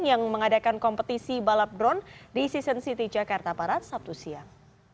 yang mengadakan kompetisi balap drone di season city jakarta barat sabtu siang